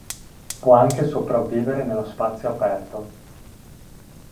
Può anche sopravvivere nello spazio aperto.